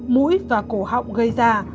mũi và cổ họng gây ra